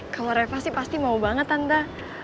kalau reva sih pasti mau banget tanda